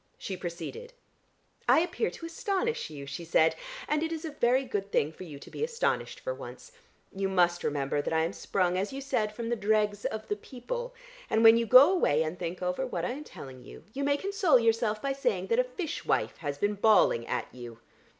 She proceeded: "I appear to astonish you," she said, "and it is a very good thing for you to be astonished for once. You must remember that I am sprung, as you said from the dregs of the people, and when you go away and think over what I am telling you, you may console yourself by saying that a fish wife has been bawling at you.